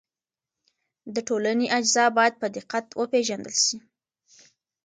د ټولنې اجزا باید په دقت وپېژندل سي.